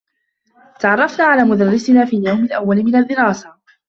تعرّفنا على مدرّسنا في اليوم الأوّل من الدّراسة.